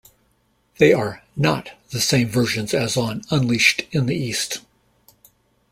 They are "not" the same versions as on "Unleashed in the East".